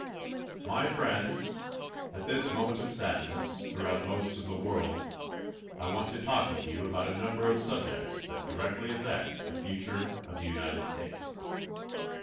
My Friends: At this moment of sadness throughout most of the world, I want to talk with you about a number of subjects that directly affect the future of the United States.